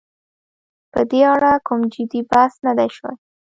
په دې اړه کوم جدي بحث نه دی شوی.